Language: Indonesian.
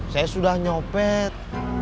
saya sudah nyopet